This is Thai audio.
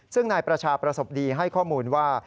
ซึ่งนายประชาประสบดีให้ข้อมูลว่า